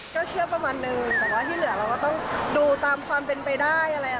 ก็เชื่อประมาณนึงแต่ว่าที่เหลือเราก็ต้องดูตามความเป็นไปได้อะไร